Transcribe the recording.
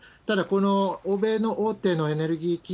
ただ、この欧米の大手のエネルギー